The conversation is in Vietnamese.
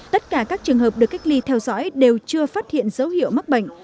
tất cả các trường hợp được cách ly theo dõi đều chưa phát hiện dấu hiệu mắc bệnh